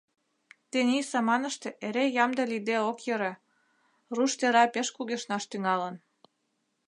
Тений саманыште эре ямде лийде ок йӧрӧ: руш тӧра пеш кугешнаш тӱҥалын.